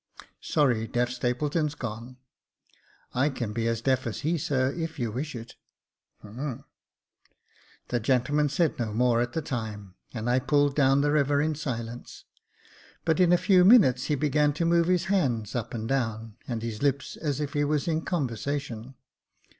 " Humph ! sorry deaf Stapleton's gone." " I can be as deaf as he, sir, if you wish it." " Humph !" The gentleman said no more at the time, and I pulled down the river in silence ; but in a few minutes he began to move his hands up and down, and his lips, as if he was in conversation.